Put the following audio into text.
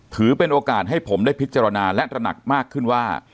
ถือเป็นโอกาสให้ผมได้พิจารณาและตระหนักมากขึ้นว่า